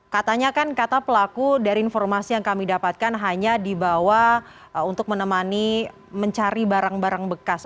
katanya kan kata pelaku dari informasi yang kami dapatkan hanya dibawa untuk menemani mencari barang barang bekas